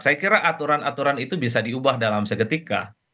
saya kira aturan aturan itu bisa diubah dalam seketika